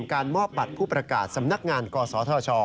การมอบบัตรผู้ประกาศสำนักงานกศธช